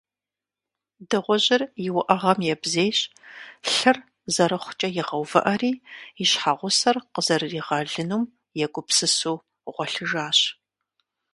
Дыгъужьыр и уӀэгъэм ебзейщ, лъыр, зэрыхъукӀэ игъэувыӀэри, и щхьэгъусэр къызэрыригъэлынум егупсысу гъуэлъыжащ.